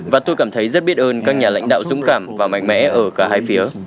và tôi cảm thấy rất biết ơn các nhà lãnh đạo dũng cảm và mạnh mẽ ở cả hai phía